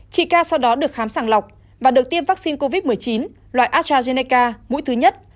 chị ca sau đó được khám sàng lọc và được tiêm vaccine covid một mươi chín loại astrazeneca mũi thứ nhất